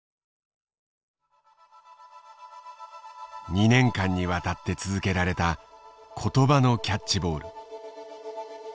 ２年間にわたって続けられた言葉のキャッチボール。